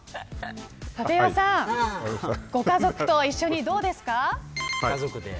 立岩さんご家族と一緒にどうですか。